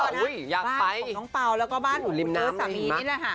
บ้านของน้องเปล่าแล้วก็บ้านของสามีนี่นะฮะ